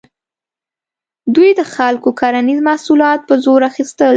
دوی د خلکو کرنیز محصولات په زور اخیستل.